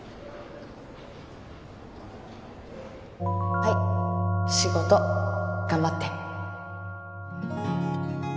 はい仕事頑張って